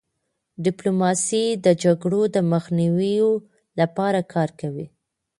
ډيپلوماسي د جګړو د مخنیوي لپاره کار کوي.